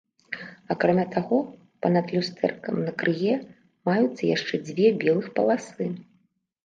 Акрамя таго, па-над люстэркам на крые маюцца яшчэ дзве белых паласы.